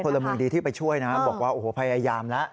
ละเมืองดีที่ไปช่วยนะบอกว่าโอ้โหพยายามแล้ว